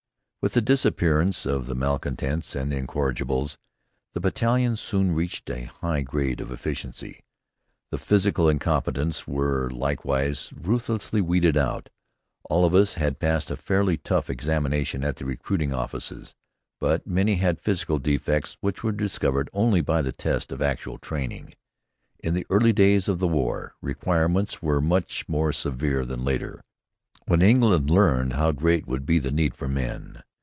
With the disappearance of the malcontents and incorrigibles the battalion soon reached a high grade of efficiency. The physical incompetents were likewise ruthlessly weeded out. All of us had passed a fairly thorough examination at the recruiting offices; but many had physical defects which were discovered only by the test of actual training. In the early days of the war, requirements were much more severe than later, when England learned how great would be the need for men.